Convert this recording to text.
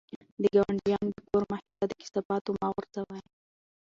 د ګاونډیانو د کور مخې ته د کثافاتو مه غورځوئ.